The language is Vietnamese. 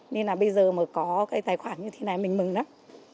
nên là bây giờ mà có cái tài khoản như thế này mình mừng lắm